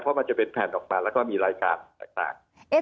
เพราะมันจะเป็นแผ่นออกมาแล้วก็มีรายการต่าง